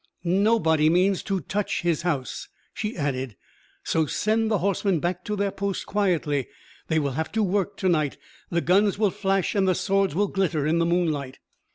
"Nobody means to touch his house," she added; "so send the horsemen back to their post quietly. They will have work to night; the guns will flash and the swords will glitter in the moonlight."